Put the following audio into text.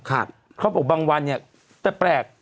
เขาบอกบางวันเนี่ยแต่แปลก